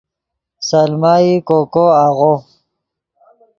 سلمہ ای کوکو آغو